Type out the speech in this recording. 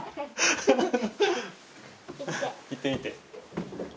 行ってみて。